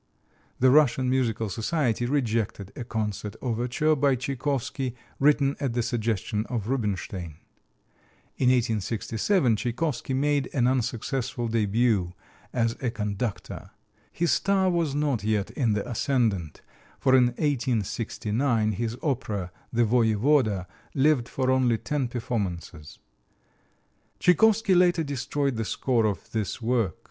The Russian Musical Society rejected a concert overture by Tchaikovsky, written at the suggestion of Rubinstein. In 1867 Tchaikovsky made an unsuccessful début as a conductor. His star was not yet in the ascendant, for in 1869 his opera, "The Voyevoda," lived for only ten performances. Tchaikovsky later destroyed the score of this work.